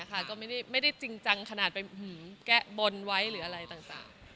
ก็ไม่ได้จริงจังขนาดไปแก้บนไว้หรืออะไรต่าง